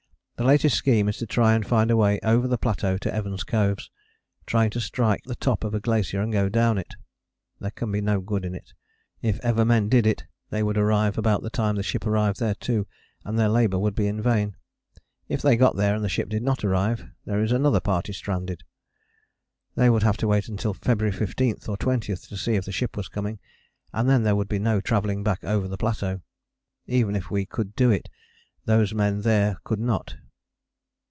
The latest scheme is to try and find a way over the plateau to Evans Coves, trying to strike the top of a glacier and go down it. There can be no good in it: if ever men did it, they would arrive about the time the ship arrived there too, and their labour would be in vain. If they got there and the ship did not arrive, there is another party stranded. They would have to wait till February 15 or 20 to see if the ship was coming, and then there would be no travelling back over the plateau: even if we could do it those men there could not.